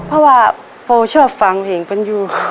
เพราะว่าโปรชอบฟังเพลงปันยู